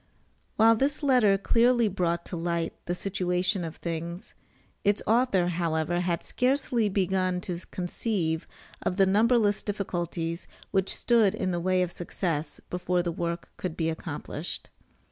While this letter clearly brought to light the situation of things, its author, however, had scarcely begun to conceive of the numberless difficulties which stood in the way of success before the work could be accomplished.